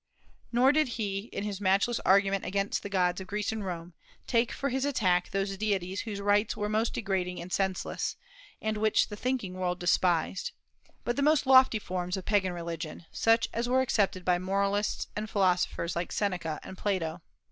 Nor did he, in his matchless argument against the gods of Greece and Rome, take for his attack those deities whose rites were most degrading and senseless, and which the thinking world despised, but the most lofty forms of pagan religion, such as were accepted by moralists and philosophers like Seneca and Plato.